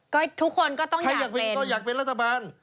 ก็ทุกคนก็ต้องอยากเป็นใครอยากเป็นอยากเป็นรัฐบาล